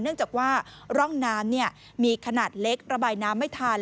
เนื่องจากว่าร่องน้ำมีขนาดเล็กระบายน้ำไม่ทัน